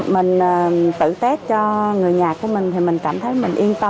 mình tự test cho người nhà của mình thì mình cảm thấy mình yên tâm